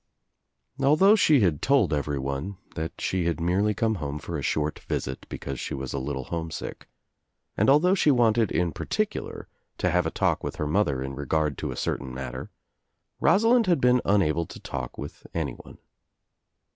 Although she had told everyone that she had merely come home for a short visit because she was a little homesick, and although she wanted in particular to have a talk with her mother in regard to a certain matter, Rosalind had been unable to talk with anyone.